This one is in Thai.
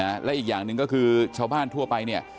และอีกอย่างหนึ่งก็คือชาวบ้านทั่วไปเนี่ย